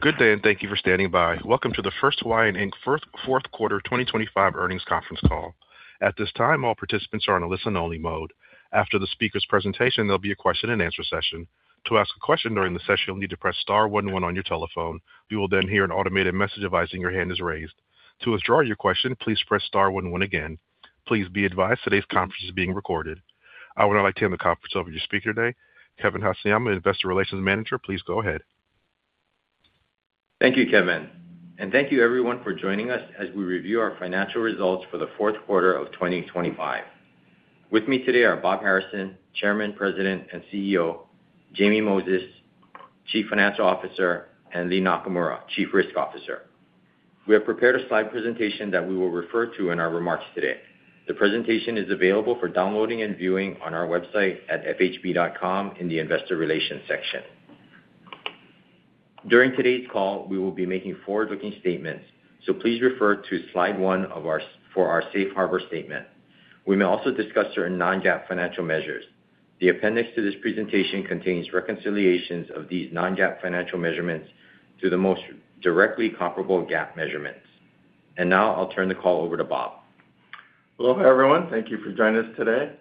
Good day, and thank you for standing by. Welcome to the First Hawaiian, Inc Fourth Quarter 2025 Earnings Conference Call. At this time, all participants are on a listen-only mode. After the speakers' presentation, there'll be a question-and-answer session. To ask a question during the session, you'll need to press star one one on your telephone. You will then hear an automated message advising your hand is raised. To withdraw your question, please press star one one again. Please be advised today's conference is being recorded. I would now like to hand the conference over to your speaker today, Kevin Haseyama, Investor Relations Manager. Please go ahead. Thank you, Kevin, and thank you everyone for joining us as we review our financial results for the fourth quarter of 2025. With me today are Bob Harrison, Chairman, President, and CEO; Jamie Moses, Chief Financial Officer; and Lea Nakamura, Chief Risk Officer. We have prepared a slide presentation that we will refer to in our remarks today. The presentation is available for downloading and viewing on our website at fhb.com in the Investor Relations section. During today's call, we will be making forward-looking statements, so please refer to slide 1 for our safe harbor statement. We may also discuss certain non-GAAP financial measures. The appendix to this presentation contains reconciliations of these non-GAAP financial measurements to the most directly comparable GAAP measurements. And now I'll turn the call over to Bob. Aloha, everyone. Thank you for joining us today.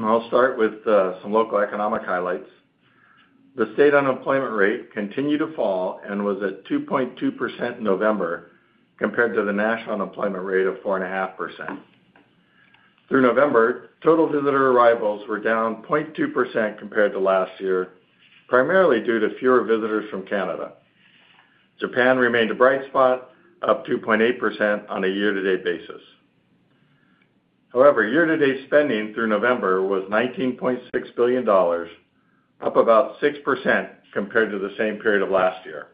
I'll start with some local economic highlights. The state unemployment rate continued to fall and was at 2.2% in November, compared to the national unemployment rate of 4.5%. Through November, total visitor arrivals were down 0.2% compared to last year, primarily due to fewer visitors from Canada. Japan remained a bright spot, up 2.8% on a year-to-date basis. However, year-to-date spending through November was $19.6 billion, up about 6% compared to the same period of last year.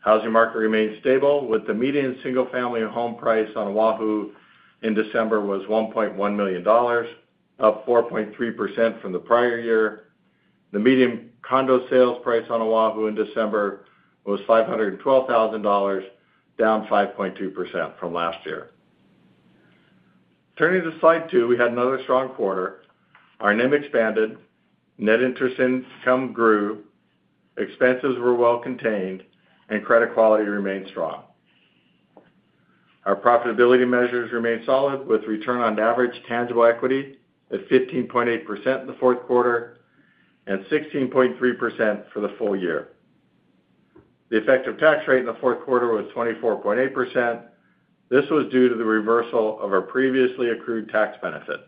Housing market remained stable, with the median single-family home price on Oahu in December was $1.1 million, up 4.3% from the prior year. The median condo sales price on Oahu in December was $512,000, down 5.2% from last year. Turning to slide 2, we had another strong quarter. Our NIM expanded, net interest income grew, expenses were well contained, and credit quality remained strong. Our profitability measures remained solid, with return on average tangible equity at 15.8% in the fourth quarter and 16.3% for the full year. The effective tax rate in the fourth quarter was 24.8%. This was due to the reversal of our previously accrued tax benefit.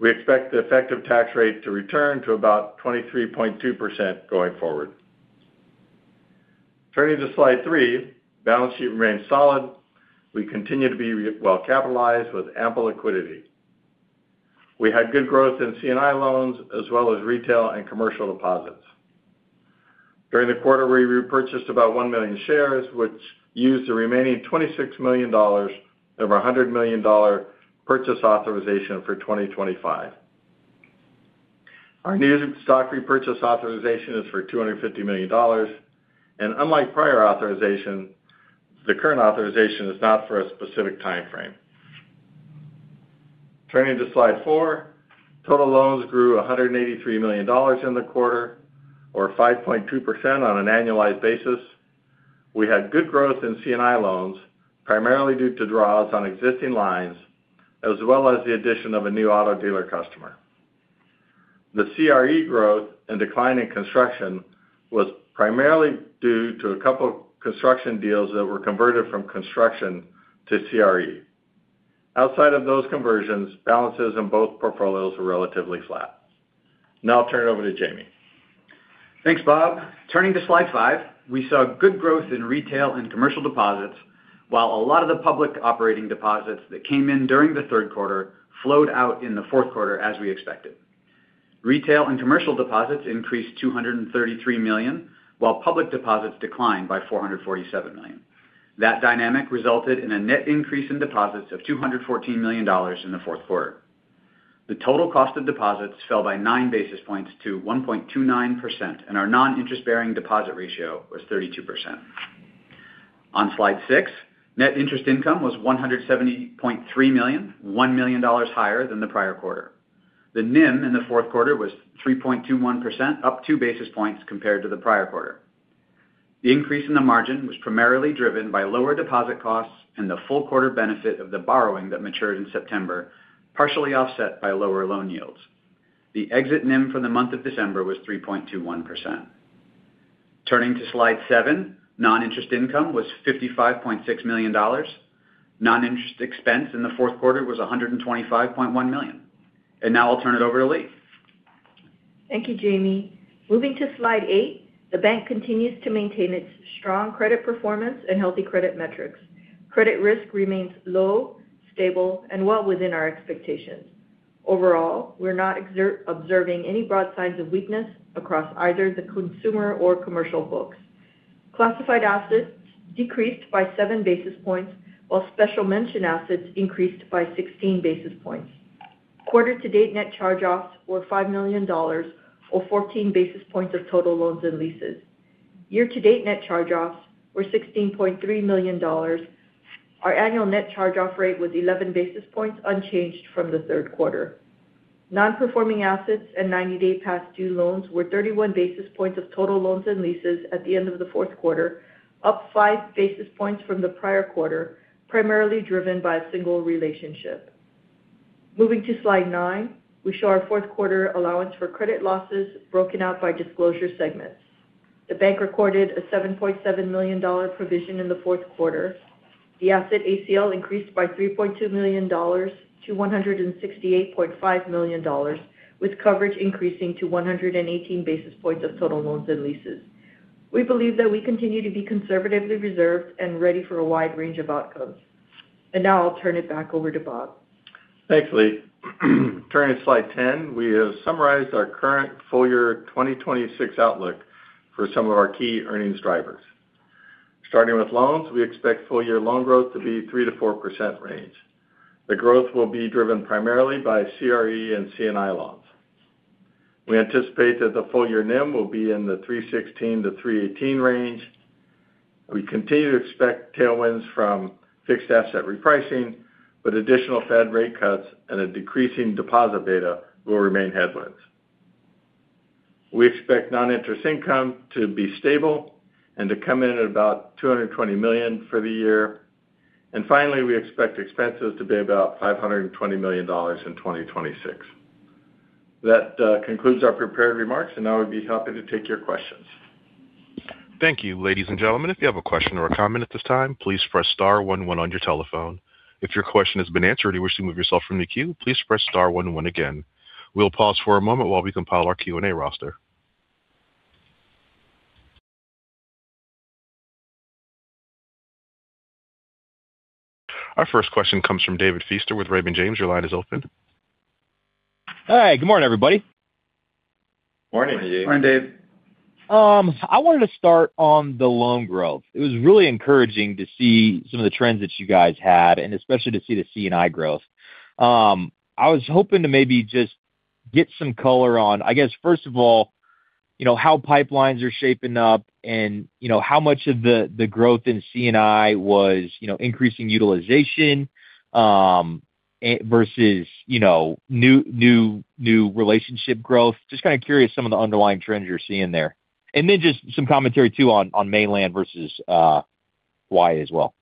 We expect the effective tax rate to return to about 23.2% going forward. Turning to slide 3, balance sheet remains solid. We continue to be well-capitalized with ample liquidity. We had good growth in C&I loans, as well as retail and commercial deposits. During the quarter, we repurchased about 1 million shares, which used the remaining $26 million of our $100 million purchase authorization for 2025. Our new stock repurchase authorization is for $250 million, and unlike prior authorization, the current authorization is not for a specific timeframe. Turning to slide 4, total loans grew $183 million in the quarter, or 5.2% on an annualized basis. We had good growth in C&I loans, primarily due to draws on existing lines, as well as the addition of a new auto dealer customer. The CRE growth and decline in construction was primarily due to a couple construction deals that were converted from construction to CRE. Outside of those conversions, balances in both portfolios were relatively flat. Now I'll turn it over to Jamie. Thanks, Bob. Turning to slide 5. We saw good growth in retail and commercial deposits, while a lot of the public operating deposits that came in during the third quarter flowed out in the fourth quarter, as we expected. Retail and commercial deposits increased $233 million, while public deposits declined by $447 million. That dynamic resulted in a net increase in deposits of $214 million in the fourth quarter. The total cost of deposits fell by 9 basis points to 1.29%, and our non-interest-bearing deposit ratio was 32%. On slide 6, net interest income was $170.3 million, $1 million higher than the prior quarter. The NIM in the fourth quarter was 3.21%, up 2 basis points compared to the prior quarter. The increase in the margin was primarily driven by lower deposit costs and the full quarter benefit of the borrowing that matured in September, partially offset by lower loan yields. The exit NIM for the month of December was 3.21%. Turning to slide 7, non-interest income was $55.6 million. Non-interest expense in the fourth quarter was $125.1 million. Now I'll turn it over to Lea. Thank you, Jamie. Moving to slide 8. The bank continues to maintain its strong credit performance and healthy credit metrics. Credit risk remains low, stable, and well within our expectations. Overall, we're not observing any broad signs of weakness across either the consumer or commercial books. Classified assets decreased by 7 basis points, while special mention assets increased by 16 basis points. Quarter to date, net charge-offs were $5 million, or 14 basis points of total loans and leases. Year-to-date net charge-offs were $16.3 million. Our annual net charge-off rate was 11 basis points, unchanged from the third quarter. Non-performing assets and ninety-day past due loans were 31 basis points of total loans and leases at the end of the fourth quarter, up 5 basis points from the prior quarter, primarily driven by a single relationship. Moving to Slide 9, we show our fourth quarter allowance for credit losses broken out by disclosure segments. The bank recorded a $7.7 million provision in the fourth quarter. The asset ACL increased by $3.2 million to $168.5 million, with coverage increasing to 118 basis points of total loans and leases. We believe that we continue to be conservatively reserved and ready for a wide range of outcomes. Now I'll turn it back over to Bob. Thanks, Lea. Turning to slide 10, we have summarized our current full year 2026 outlook for some of our key earnings drivers. Starting with loans, we expect full year loan growth to be 3%-4% range. The growth will be driven primarily by CRE and C&I loans. We anticipate that the full year NIM will be in the 3.16%-3.18% range. We continue to expect tailwinds from fixed asset repricing, but additional Fed rate cuts and a decreasing deposit beta will remain headwinds. We expect non-interest income to be stable and to come in at about $220 million for the year. And finally, we expect expenses to be about $520 million in 2026. That concludes our prepared remarks, and now we'd be happy to take your questions. Thank you. Ladies and gentlemen, if you have a question or a comment at this time, please press star one one on your telephone. If your question has been answered, or you wish to remove yourself from the queue, please press star one one again. We'll pause for a moment while we compile our Q&A roster. Our first question comes from David Feaster with Raymond James. Your line is open. Hi, good morning, everybody. Morning, Dave. Morning, Dave. I wanted to start on the loan growth. It was really encouraging to see some of the trends that you guys had, and especially to see the C&I growth. I was hoping to maybe just get some color on, I guess, first of all, you know, how pipelines are shaping up and, you know, how much of the growth in C&I was, you know, increasing utilization, versus, you know, new relationship growth. Just kind of curious some of the underlying trends you're seeing there. Then just some commentary, too, on mainland versus Hawaii as well.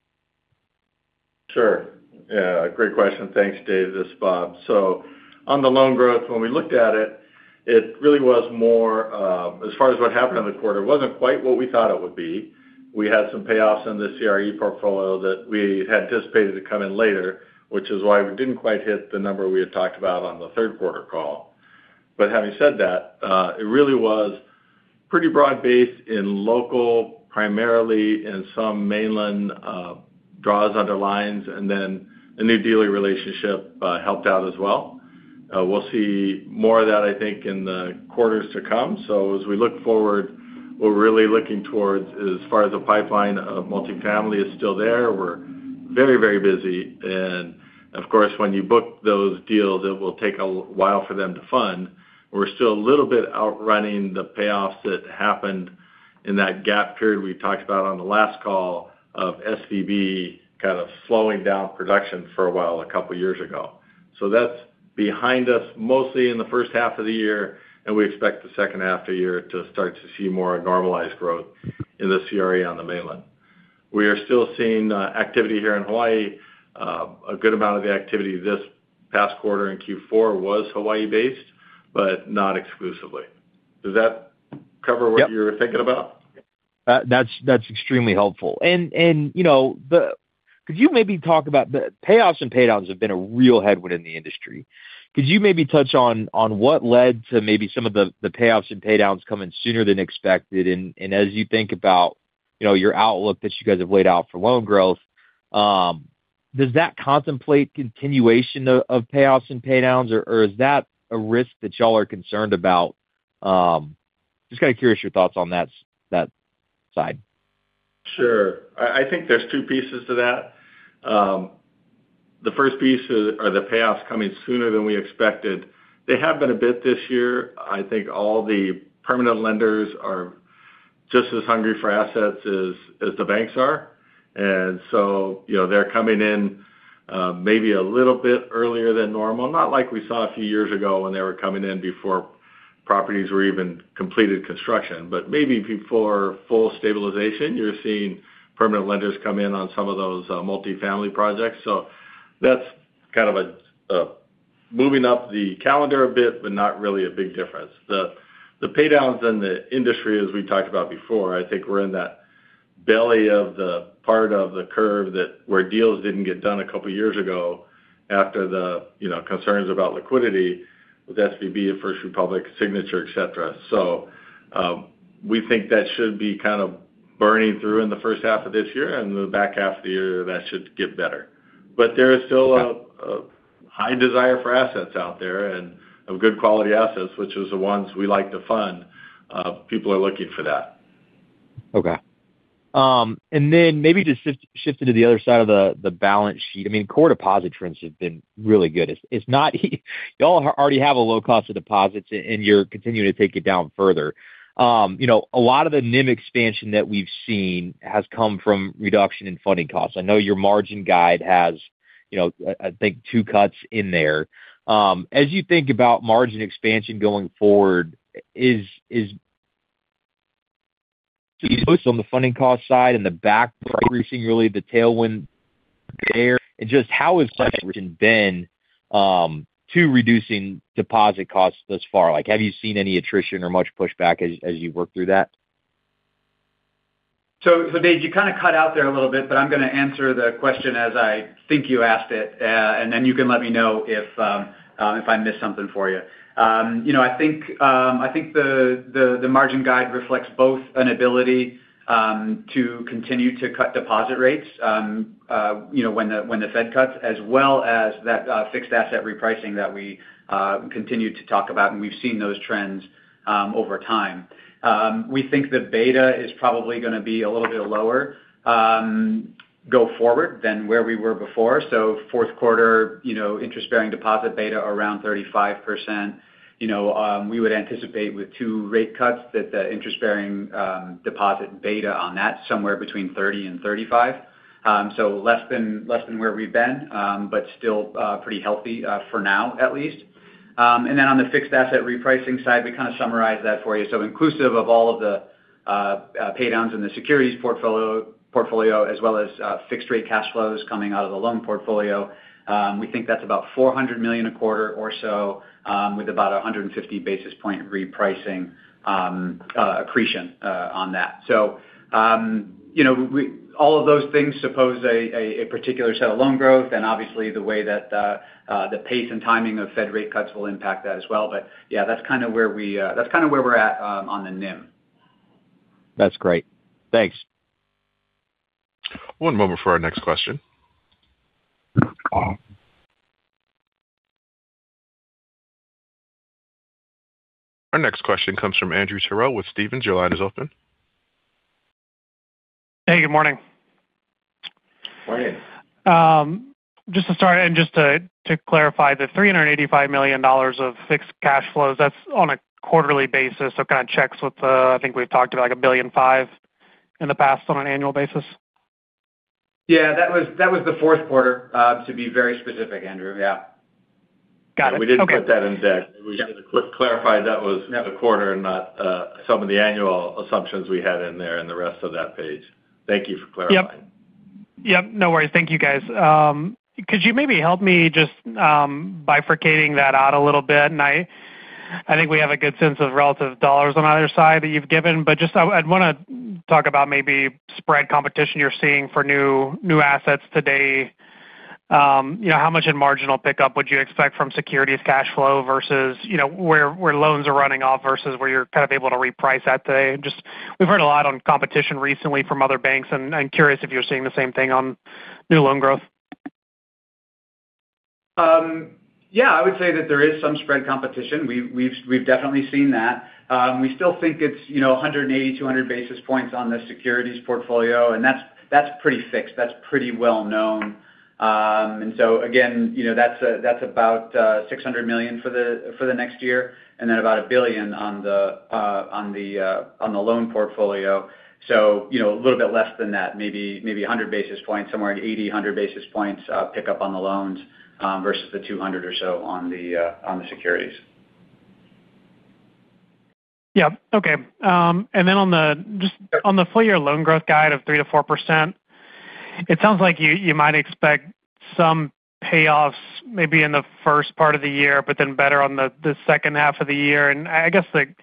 Sure. Yeah, great question. Thanks, Dave. This is Bob. So on the loan growth, when we looked at it, it really was more, as far as what happened in the quarter, it wasn't quite what we thought it would be. We had some payoffs in the CRE portfolio that we had anticipated to come in later, which is why we didn't quite hit the number we had talked about on the third quarter call. But having said that, it really was pretty broad-based in local, primarily in some mainland, draws on their lines, and then a new dealer relationship helped out as well. We'll see more of that, I think, in the quarters to come. So as we look forward, we're really looking towards, as far as the pipeline of multifamily is still there. We're very, very busy, and of course, when you book those deals, it will take a while for them to fund. We're still a little bit outrunning the payoffs that happened in that gap period we talked about on the last call of SVB, kind of slowing down production for a while, a couple of years ago. So that's behind us, mostly in the first half of the year, and we expect the second half of the year to start to see more normalized growth in the CRE on the mainland. We are still seeing activity here in Hawaii. A good amount of the activity this past quarter in Q4 was Hawaii-based, but not exclusively. Does that cover what you were thinking about? That's, that's extremely helpful. And, and, you know, could you maybe talk about the payoffs and paydowns have been a real headwind in the industry. Could you maybe touch on, on what led to maybe some of the, the payoffs and paydowns coming sooner than expected? And, and as you think about, you know, your outlook that you guys have laid out for loan growth, does that contemplate continuation of, of payoffs and paydowns, or, or is that a risk that y'all are concerned about? Just kind of curious your thoughts on that side. Sure. I think there's two pieces to that. The first piece is, are the payoffs coming sooner than we expected. They have been a bit this year. I think all the permanent lenders are just as hungry for assets as the banks are. And so, you know, they're coming in, maybe a little bit earlier than normal. Not like we saw a few years ago when they were coming in before properties were even completed construction, but maybe before full stabilization, you're seeing permanent lenders come in on some of those, multifamily projects. So that's kind of a, moving up the calendar a bit, but not really a big difference. The paydowns in the industry, as we talked about before, I think we're in that belly of the part of the curve that where deals didn't get done a couple of years ago after the, you know, concerns about liquidity with SVB and First Republic, Signature, et cetera. So, we think that should be kind of burning through in the first half of this year, and the back half of the year, that should get better. But there is still a high desire for assets out there and of good quality assets, which is the ones we like to fund. People are looking for that. Okay. And then maybe just shift into the other side of the balance sheet. I mean, core deposit trends have been really good. It's not you all already have a low cost of deposits, and you're continuing to take it down further. You know, a lot of the NIM expansion that we've seen has come from reduction in funding costs. I know your margin guide has, you know, I think two cuts in there. As you think about margin expansion going forward, is on the funding cost side and the back increasing really the tailwind there? And just how has been to reducing deposit costs thus far? Like, have you seen any attrition or much pushback as you work through that? So, Dave, you kind of cut out there a little bit, but I'm gonna answer the question as I think you asked it, and then you can let me know if I missed something for you. You know, I think the margin guide reflects both an ability to continue to cut deposit rates, you know, when the Fed cuts, as well as that fixed asset repricing that we continue to talk about, and we've seen those trends over time. We think the beta is probably gonna be a little bit lower, go forward, than where we were before. So fourth quarter, you know, interest-bearing deposit beta around 35%. You know, we would anticipate with two rate cuts, that the interest-bearing deposit beta on that, somewhere between 30%-35%. So less than, less than where we've been, but still pretty healthy for now, at least. And then on the fixed asset repricing side, we kind of summarized that for you. So inclusive of all of the pay downs in the securities portfolio, as well as fixed rate cash flows coming out of the loan portfolio, we think that's about $400 million a quarter or so, with about 150 basis point repricing accretion on that. So, you know, all of those things assume a particular set of loan growth, and obviously the way that the pace and timing of Fed rate cuts will impact that as well. But yeah, that's kind of where we're at on the NIM. That's great. Thanks. One moment for our next question. Our next question comes from Andrew Terrell with Stephens. Your line is open. Hey, good morning. Morning. Just to start and just to clarify, the $385 million of fixed cash flows, that's on a quarterly basis, so it kind of checks with, I think we've talked about, like, $1.5 billion in the past on an annual basis? Yeah, that was, that was the fourth quarter, to be very specific, Andrew. Yeah. Got it. Okay. We didn't put that in deck. We just clarified that was the quarter and not, some of the annual assumptions we had in there and the rest of that page. Thank you for clarifying. Yep, no worries. Thank you, guys. Could you maybe help me just bifurcating that out a little bit? And I think we have a good sense of relative dollars on either side that you've given, but just I'd wanna talk about maybe spread competition you're seeing for new assets today. You know, how much in marginal pickup would you expect from securities cash flow versus, you know, where loans are running off versus where you're kind of able to reprice that today? Just, we've heard a lot on competition recently from other banks, and I'm curious if you're seeing the same thing on new loan growth. Yeah, I would say that there is some spread competition. We've definitely seen that. We still think it's, you know, 180-200 basis points on the securities portfolio, and that's pretty fixed. That's pretty well known. And so again, you know, that's about $600 million for the next year, and then about $1 billion on the loan portfolio. So, you know, a little bit less than that, maybe a hundred basis points, somewhere in 80-100 basis points, pick up on the loans, versus the 200 or so on the securities. Yep. Okay. And then on the, just on the full year loan growth guide of 3%-4%, it sounds like you might expect some payoffs maybe in the first part of the year, but then better on the second half of the year. And I guess the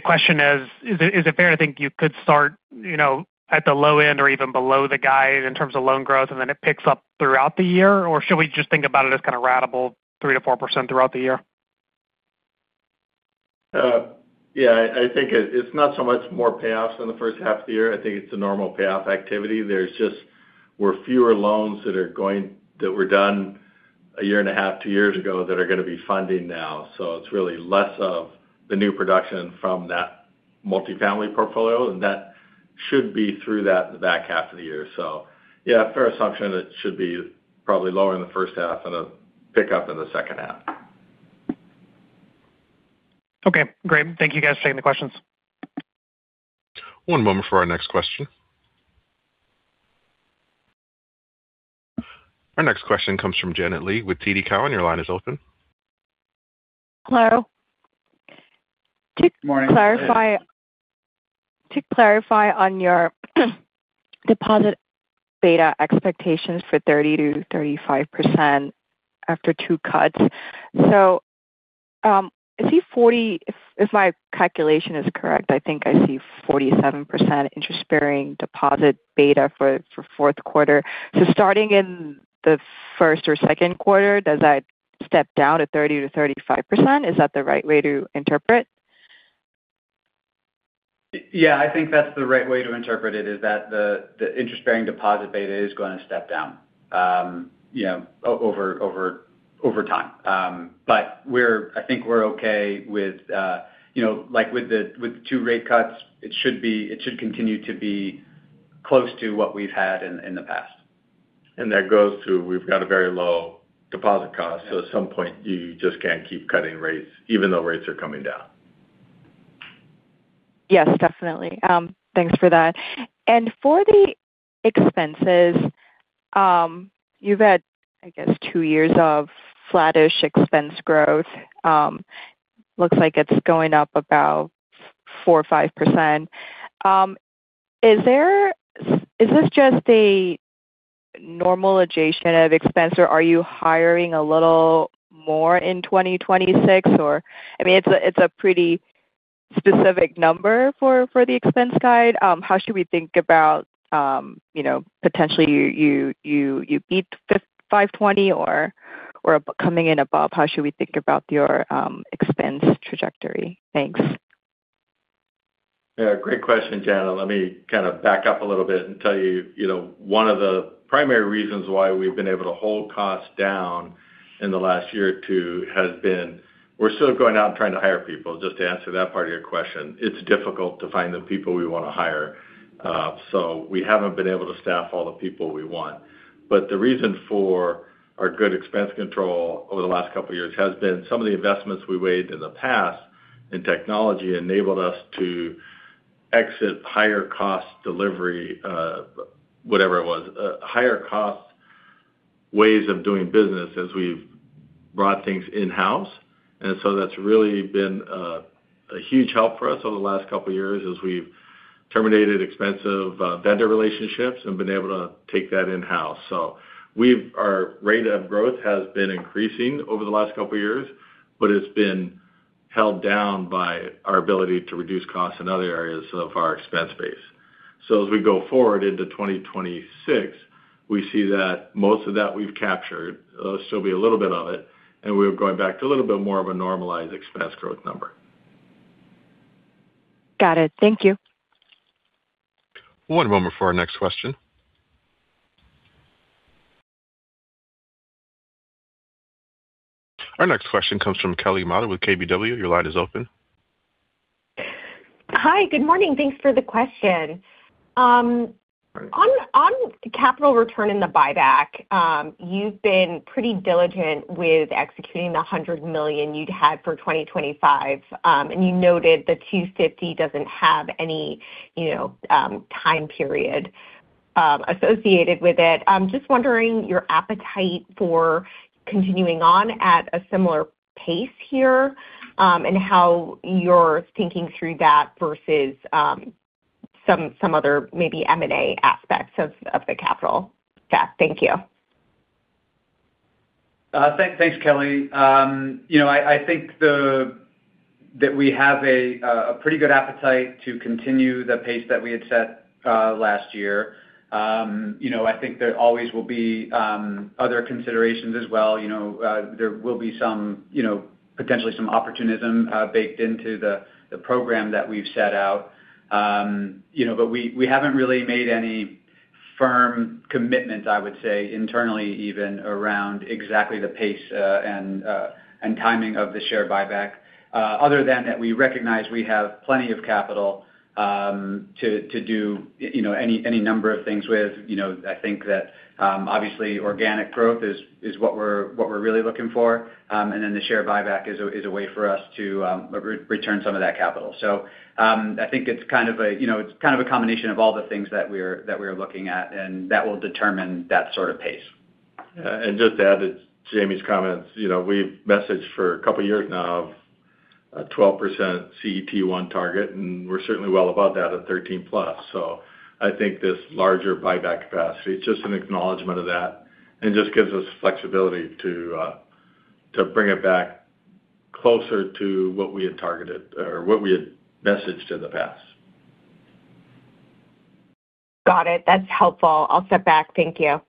question is: Is it fair to think you could start, you know, at the low end or even below the guide in terms of loan growth, and then it picks up throughout the year? Or should we just think about it as kind of ratable 3%-4% throughout the year? Yeah, I think it's not so much more payoffs in the first half of the year. I think it's a normal payoff activity. There's just, where fewer loans that are going, that were done 1.5 years, 2 years ago, that are gonna be funding now. So it's really less of the new production from that multifamily portfolio, and that should be through that in the back half of the year. So yeah, fair assumption, it should be probably lower in the first half and a pickup in the second half. Okay, great. Thank you, guys, for taking the questions. One moment for our next question. Our next question comes from Janet Lee with TD Cowen. Your line is open. Hello. Morning. To clarify on your deposit beta expectations for 30%-35% after two cuts. So, I see 47%, if my calculation is correct, I think I see 47% interest-bearing deposit beta for fourth quarter. So starting in the first or second quarter, does that step down to 30%-35%? Is that the right way to interpret? Yeah, I think that's the right way to interpret it, is that the interest-bearing deposit beta is going to step down, you know, over time. But we're—I think we're okay with, you know, like, with the two rate cuts, it should be—it should continue to be close to what we've had in the past. And that goes to, we've got a very low deposit cost. So at some point, you just can't keep cutting rates, even though rates are coming down. Yes, definitely. Thanks for that. For the expenses, you've had, I guess, two years of flattish expense growth. Looks like it's going up about 4%-5%. Is there, is this just a normalization of expense, or are you hiring a little more in 2026? Or, I mean, it's a pretty specific number for the expense guide. How should we think about, you know, potentially you beat $520 million or coming in above? How should we think about your expense trajectory? Thanks. Yeah, great question, Janet. Let me kind of back up a little bit and tell you, you know, one of the primary reasons why we've been able to hold costs down in the last year or two has been, we're still going out and trying to hire people, just to answer that part of your question. It's difficult to find the people we want to hire, so we haven't been able to staff all the people we want. But the reason for our good expense control over the last couple of years has been some of the investments we made in the past in technology enabled us to exit higher-cost delivery, whatever it was, higher-cost ways of doing business as we've brought things in-house. And so that's really been a huge help for us over the last couple of years as we've terminated expensive vendor relationships and been able to take that in-house. Our rate of growth has been increasing over the last couple of years, but it's been held down by our ability to reduce costs in other areas of our expense base. So as we go forward into 2026, we see that most of that we've captured, there'll still be a little bit of it, and we're going back to a little bit more of a normalized expense growth number. Got it. Thank you. One moment for our next question. Our next question comes from Kelly Motta with KBW. Your line is open. Hi, good morning. Thanks for the question. On capital return in the buyback, you've been pretty diligent with executing the $100 million you'd had for 2025, and you noted the $250 million doesn't have any, you know, time period associated with it. I'm just wondering your appetite for continuing on at a similar pace here, and how you're thinking through that versus some other maybe M&A aspects of the capital stack. Thank you. Thanks, Kelly. You know, I think that we have a pretty good appetite to continue the pace that we had set last year. You know, I think there always will be other considerations as well. You know, there will be some, you know, potentially some opportunism baked into the program that we've set out. You know, but we haven't really made any firm commitments, I would say, internally, even around exactly the pace and timing of the share buyback, other than that, we recognize we have plenty of capital to do, you know, any number of things with. You know, I think that, obviously, organic growth is what we're really looking for, and then the share buyback is a way for us to re-return some of that capital. So, I think it's kind of a, you know, it's kind of a combination of all the things that we're looking at, and that will determine that sort of pace. And just to add to Jamie's comments, you know, we've messaged for a couple of years now of a 12% CET1 target, and we're certainly well above that at +13%. So I think this larger buyback capacity, it's just an acknowledgment of that, and it just gives us flexibility to bring it back closer to what we had targeted or what we had messaged in the past. Got it. That's helpful. I'll step back. Thank you.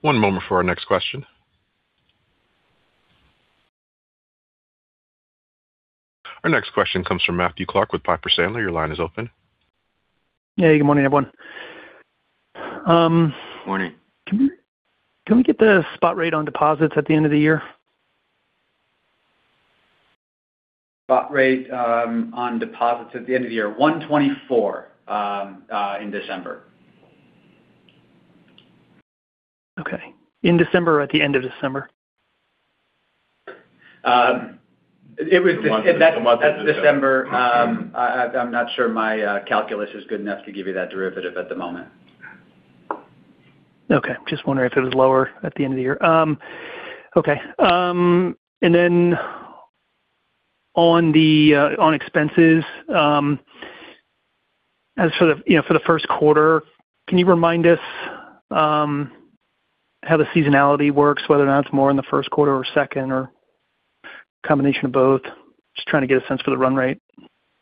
One moment for our next question. Our next question comes from Matthew Clark with Piper Sandler. Your line is open. Hey, good morning, everyone. Morning. Can we, can we get the spot rate on deposits at the end of the year? Spot rate on deposits at the end of the year, 1.24% in December. Okay. In December or at the end of December? It was-- The month of December. At December. I'm not sure my calculus is good enough to give you that derivative at the moment. Okay. Just wondering if it was lower at the end of the year. Okay. And then on expenses, as for the, you know, for the first quarter, can you remind us how the seasonality works, whether or not it's more in the first quarter or second, or combination of both? Just trying to get a sense for the run rate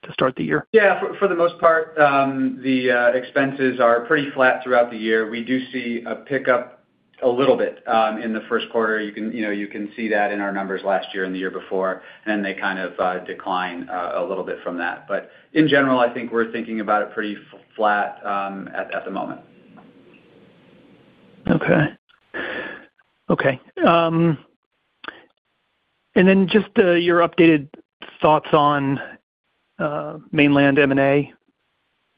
to start the year. Yeah, for the most part, the expenses are pretty flat throughout the year. We do see a pickup a little bit in the first quarter. You can, you know, you can see that in our numbers last year and the year before, and then they kind of decline a little bit from that. But in general, I think we're thinking about it pretty flat at the moment. Okay, and then just, your updated thoughts on, mainland M&A.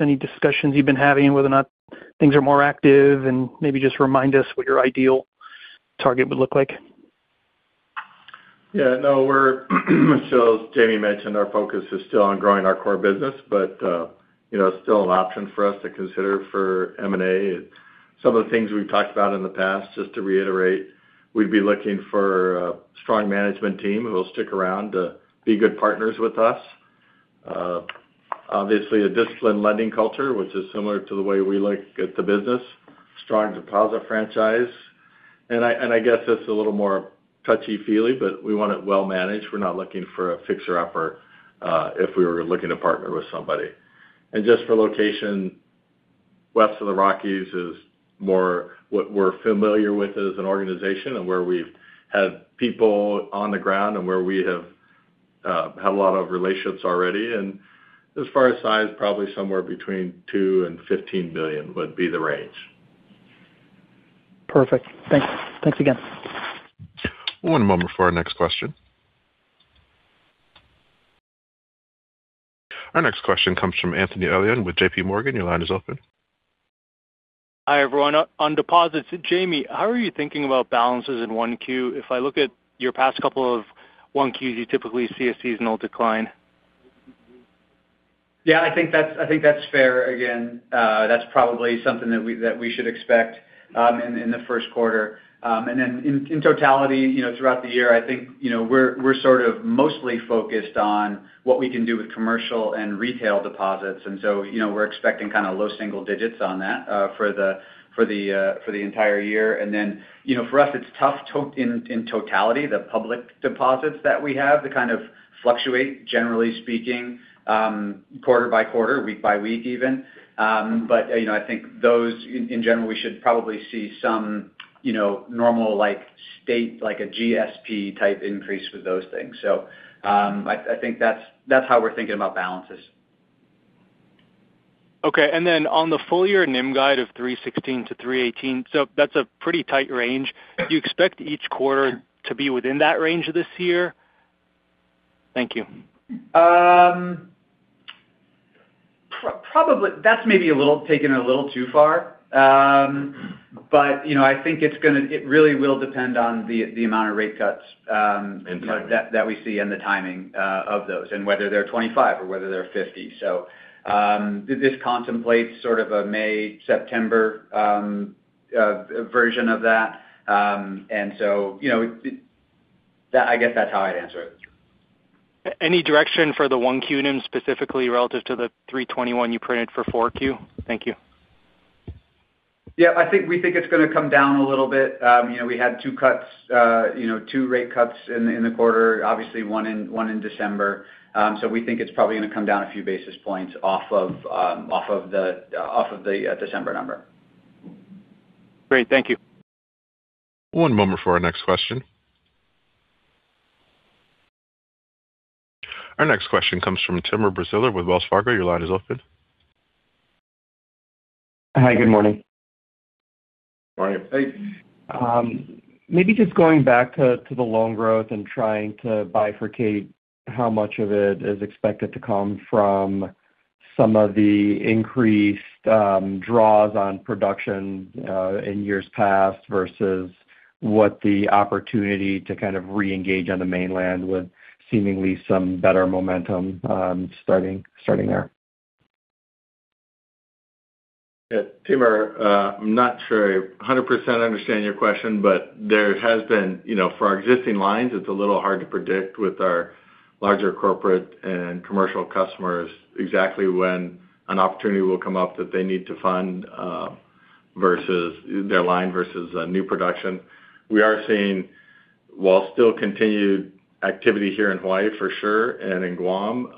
Any discussions you've been having, whether or not things are more active? And maybe just remind us what your ideal target would look like. Yeah, no, we're so as Jamie mentioned, our focus is still on growing our core business, but, you know, it's still an option for us to consider for M&A. Some of the things we've talked about in the past, just to reiterate, we'd be looking for a strong management team who will stick around to be good partners with us. Obviously, a disciplined lending culture, which is similar to the way we look at the business. Strong deposit franchise. And I guess it's a little more touchy-feely, but we want it well-managed. We're not looking for a fixer-upper, if we were looking to partner with somebody. And just for location, west of the Rockies is more what we're familiar with as an organization and where we've had people on the ground and where we have had a lot of relationships already. As far as size, probably somewhere between $2 billion and $15 billion would be the range. Perfect. Thanks. Thanks again. One moment before our next question. Our next question comes from Anthony Elian with J.P. Morgan. Your line is open. Hi, everyone. On deposits, Jamie, how are you thinking about balances in 1Q? If I look at your past couple of 1Qs, you typically see a seasonal decline. Yeah, I think that's fair. Again, that's probably something that we should expect in the first quarter. And then in totality, you know, throughout the year, I think, you know, we're sort of mostly focused on what we can do with commercial and retail deposits. And so, you know, we're expecting kind of low single digits on that for the entire year. And then, you know, for us, it's tough to in totality, the public deposits that we have, they kind of fluctuate, generally speaking, quarter by quarter, week by week, even. But, you know, I think those in general, we should probably see some, you know, normal, like, state, like a GSP-type increase with those things. So, I think that's how we're thinking about balances. Okay, and then on the full year NIM guide of 3.16%-3.18%, so that's a pretty tight range. Do you expect each quarter to be within that range this year? Thank you. Probably. That's maybe a little taken a little too far. But, you know, I think it's gonna, it really will depend on the, the amount of rate cuts, that, that we see and the timing, of those, and whether they're 25 or whether they're 50. So, this contemplates sort of a May, September, version of that. And so, you know, it, -- I guess that's how I'd answer it. Any direction for the 1Q NIM, specifically relative to the 3.21% you printed for 4Q? Thank you. Yeah, I think we think it's gonna come down a little bit. You know, we had two cuts, you know, two rate cuts in the quarter, obviously, one in December. So we think it's probably gonna come down a few basis points off of the December number. Great. Thank you. One moment for our next question. Our next question comes from Timur Braziler with Wells Fargo. Your line is open. Hi, good morning. Morning. Hey. Maybe just going back to the loan growth and trying to bifurcate how much of it is expected to come from some of the increased draws on production in years past, versus what the opportunity to kind of reengage on the mainland with seemingly some better momentum, starting there. Yeah, Timur, I'm not sure I 100% understand your question, but there has been, you know, for our existing lines, it's a little hard to predict with our larger corporate and commercial customers, exactly when an opportunity will come up that they need to fund, versus their line versus a new production. We are seeing, while still continued activity here in Hawaii, for sure, and in Guam,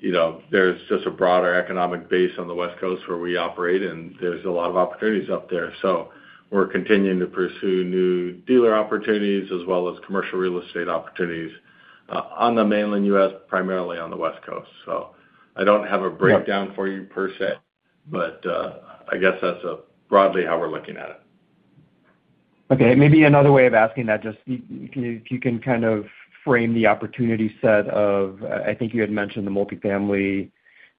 you know, there's just a broader economic base on the West Coast where we operate, and there's a lot of opportunities up there. So we're continuing to pursue new dealer opportunities as well as commercial real estate opportunities, on the mainland U.S., primarily on the West Coast. So I don't have a breakdown for you per se, but, I guess that's, broadly how we're looking at it. Okay, maybe another way of asking that, just if you can kind of frame the opportunity set of, I think you had mentioned the multifamily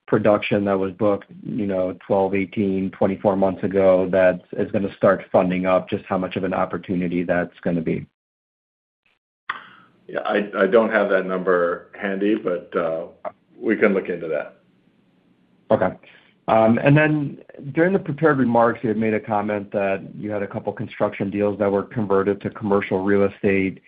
production that was booked, you know, 12, 18, 24 months ago, that is gonna start funding up, just how much of an opportunity that's gonna be. Yeah, I don't have that number handy, but we can look into that. Okay. And then during the prepared remarks, you had made a comment that you had a couple construction deals that were converted to commercial real estate.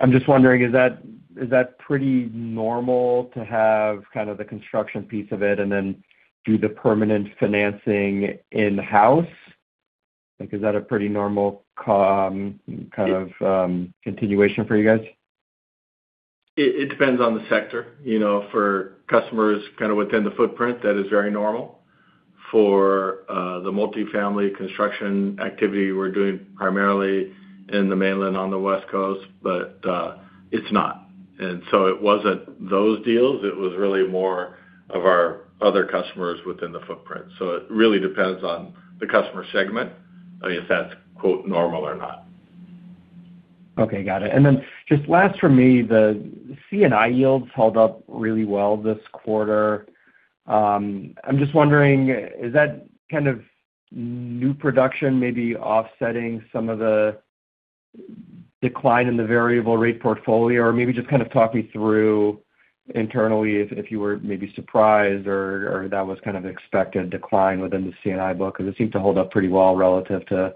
I'm just wondering, is that, is that pretty normal to have kind of the construction piece of it and then do the permanent financing in-house? Like, is that a pretty normal, kind of, continuation for you guys? It depends on the sector. You know, for customers kind of within the footprint, that is very normal. For the multifamily construction activity we're doing primarily in the Mainland, on the West Coast, but it's not. And so it wasn't those deals, it was really more of our other customers within the footprint. So it really depends on the customer segment, I guess that's, quote, "normal or not. Okay, got it. And then just last for me, the C&I yields held up really well this quarter. I'm just wondering, is that kind of new production maybe offsetting some of the decline in the variable rate portfolio? Or maybe just kind of talk me through internally if you were maybe surprised or that was kind of expected decline within the C&I book, because it seemed to hold up pretty well relative to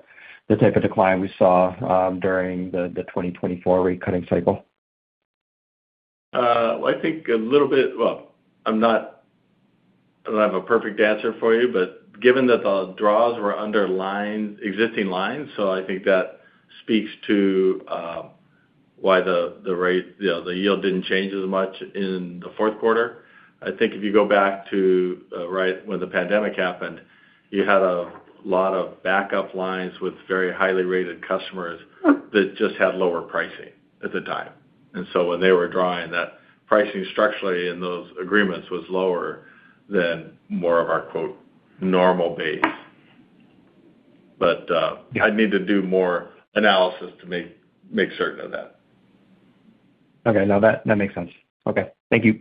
the type of decline we saw during the 2024 rate cutting cycle. I think a little bit— Well, I'm not, I don't have a perfect answer for you, but given that the draws were under line, existing lines, so I think that speaks to why the rate, you know, the yield didn't change as much in the fourth quarter. I think if you go back to right when the pandemic happened, you had a lot of backup lines with very highly rated customers that just had lower pricing at the time. And so when they were drawing, that pricing structurally in those agreements was lower than more of our, quote, "normal base." But I'd need to do more analysis to make certain of that. Okay. No, that, that makes sense. Okay. Thank you.